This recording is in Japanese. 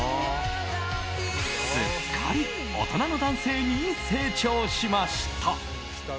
すっかり大人の男性に成長しました。